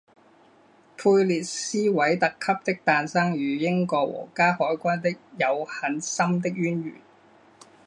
佩列斯韦特级的诞生与英国皇家海军的有很深的渊源。